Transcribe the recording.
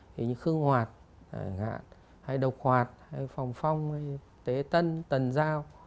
thì như khương hoạt độc hoạt phòng phong tế tân tần dao